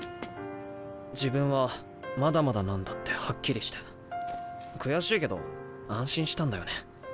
自分はまだまだなんだってはっきりして悔しいけど安心したんだよね。